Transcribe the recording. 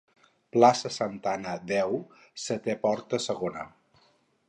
Plaça santa Anna, deu, setè porta segona.